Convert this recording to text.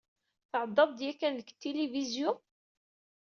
Tɛeddaḍ-d yakan deg tilivizyu?